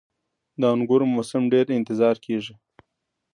• د انګورو موسم ډیر انتظار کیږي.